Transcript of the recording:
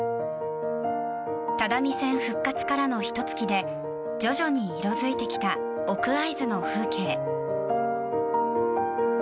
只見線復活からのひと月で徐々に色づいてきた奥会津の風景。